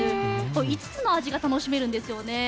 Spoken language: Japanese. ５つの味が楽しめるんですね。